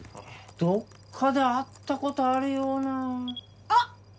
どっかで会ったことあるようなあっ！